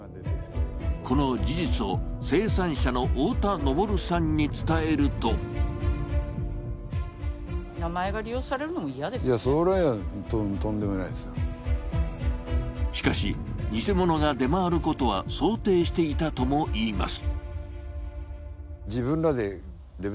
この事実を生産者の大田昇さんに伝えるとしかし、偽物が出回ることは想定していたとも言います。